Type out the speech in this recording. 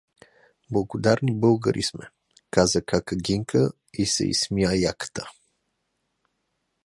Благородни българи сме… — каза кака Гинка и се изсмя яката.